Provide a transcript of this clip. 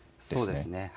そうですね。